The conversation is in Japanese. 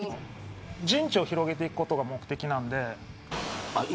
陣地を広げていくことが目的なんで。